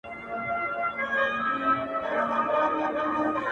د وخت مجنون يم ليونى يمه زه _